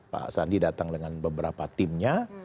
pak sandi datang dengan beberapa timnya